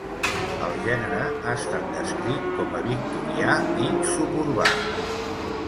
El gènere ha estat descrit com a 'victorià i suburbà'.